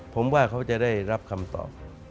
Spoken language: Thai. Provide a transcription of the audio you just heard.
ผมว่าเขาจะได้รับคำตอบ